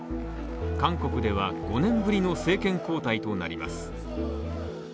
韓国では５年ぶりの政権交代となります。